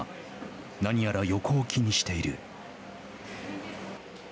何やら横を気にしている。